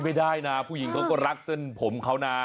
ไม่ได้นะผู้หญิงเขาก็รักเส้นผมเขานะ